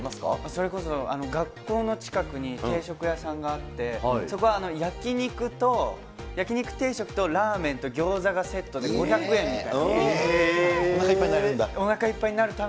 それこそ、学校の近くに定食屋さんがあって、そこは焼き肉と焼き肉定食とラーメンとギョーザがセットで５００おなかいっぱいになるんだ？